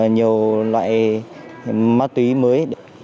nhiều loại ma túy mới